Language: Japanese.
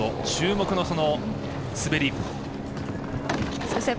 注目の滑り。